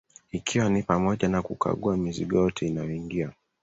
ikiwa ni pamoja na kukagua mizigo yote inayoingia